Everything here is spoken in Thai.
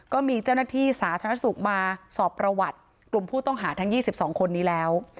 ก็มีเจ้าหน้าที่สาธารณสุขมาสอบประวัติกลุ่มผู้ต้องหาทั้ง๒๒คนนี้แล้ว